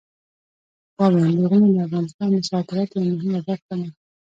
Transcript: پابندي غرونه د افغانستان د صادراتو یوه مهمه برخه ده.